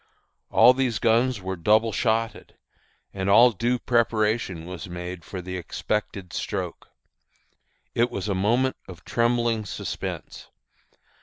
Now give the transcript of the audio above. All these guns were double shotted, and all due preparation was made for the expected stroke. It was a moment of trembling suspense.